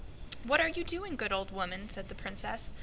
"What are you doing, good old woman?" said the Princess.